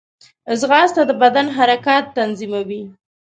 ځغاسته د بدن حرکات تنظیموي